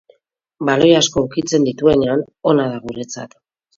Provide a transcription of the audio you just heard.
Baloi asko ukitzen dituenean, ona da guretzat.